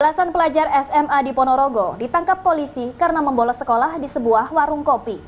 belasan pelajar sma di ponorogo ditangkap polisi karena membolos sekolah di sebuah warung kopi